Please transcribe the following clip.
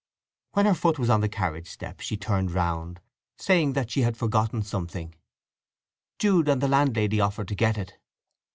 When her foot was on the carriage step she turned round, saying that she had forgotten something. Jude and the landlady offered to get it.